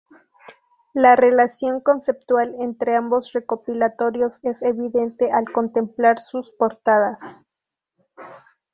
La relación conceptual entre ambos recopilatorios es evidente al contemplar sus portadas.